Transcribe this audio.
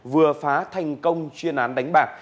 vừa phá thành công chuyên án đánh bạc